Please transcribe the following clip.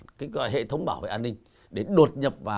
những cái hệ thống bảo vệ an ninh